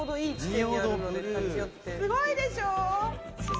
すごいでしょ！